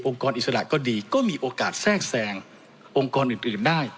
องค์กรอิสระก็ดีก็มีโอกาสแทรกแสงองค์กรอื่นอื่นได้